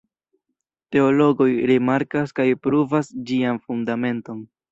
Teologoj rimarkas kaj pruvas ĝian fundamenton.